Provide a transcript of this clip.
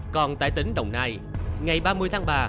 còn tại tỉnh đồng nai ngày ba mươi tháng ba